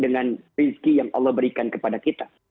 dengan rizki yang allah berikan kepada kita